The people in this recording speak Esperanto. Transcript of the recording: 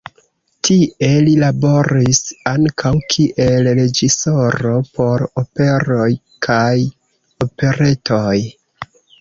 Tie li laboris ankaŭ kiel reĝisoro por operoj kaj operetoj.